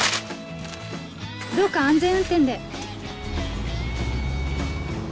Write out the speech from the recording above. どうか安全運転で。